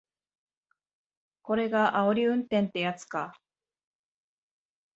これがあおり運転ってやつか